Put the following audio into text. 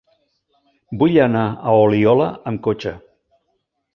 Vull anar a Oliola amb cotxe.